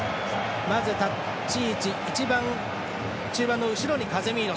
まず立ち位置、一番中盤の後ろにカゼミーロ。